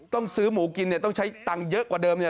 ต้องซื้อหมูกินเนี่ยต้องใช้ตังค์เยอะกว่าเดิมเนี่ย